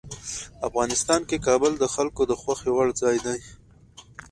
افغانستان کې کابل د خلکو د خوښې وړ ځای دی.